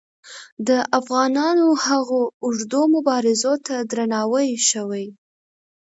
د افغانانو هغو اوږدو مبارزو ته درناوی شوی.